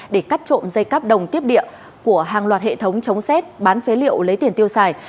để cắt trộm dây cáp đồng tiếp địa của hàng loạt hệ thống chống xét bán phế liệu lấy tiền tiêu xài